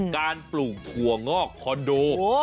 ปลูกถั่วงอกคอนโด